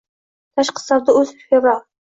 tashqi_savdo_uz_fevral